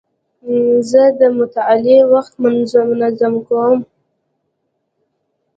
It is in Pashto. زه د مطالعې وخت منظم کوم.